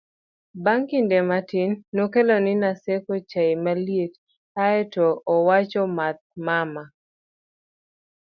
bang' kinde matin nokelo ni Naseko chaye maliet ae to owacho 'madh mama